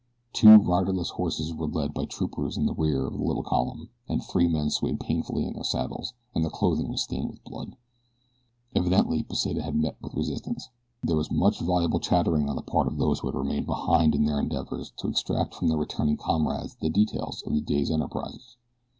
Two riderless horses were led by troopers in the rear of the little column and three men swayed painfully in their saddles and their clothing was stained with blood. Evidently Pesita had met with resistance. There was much voluble chattering on the part of those who had remained behind in their endeavors to extract from their returning comrades the details of the day's enterprise.